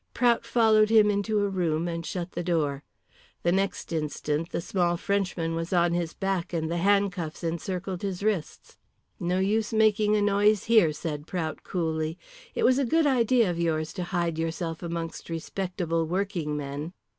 Prout followed him into a room and shut the door. The next instant the small Frenchman was on his back and the handcuffs encircled his wrists. "No use making a noise here," said Prout coolly. "It was a good idea of yours to hide yourself amongst respectable working men."